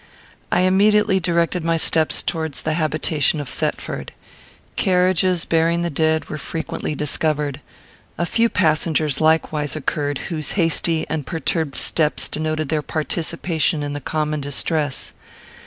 I immediately directed my steps towards the habitation of Thetford. Carriages bearing the dead were frequently discovered. A few passengers likewise occurred, whose hasty and perturbed steps denoted their participation in the common distress.